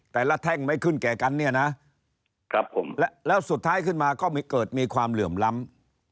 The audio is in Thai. แท่งไม่ขึ้นแก่กันเนี่ยนะครับผมแล้วสุดท้ายขึ้นมาก็เกิดมีความเหลื่อมล้ำ